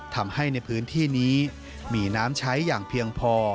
ทำให้ในพื้นที่นี้มีน้ำใช้อย่างเพียงพอ